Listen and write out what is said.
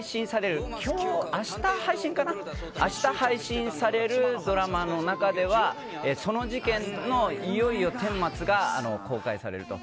明日配信されるドラマの中ではその事件の、いよいよ顛末が公開されると。